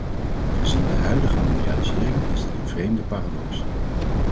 Gezien de huidige mondialisering is dit een vreemde paradox!